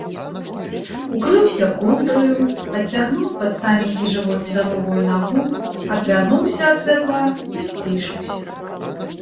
Укрыўся коўдраю, падцягнуў пад саменькі жывот здаровую нагу, адвярнуўся ад святла і сцішыўся.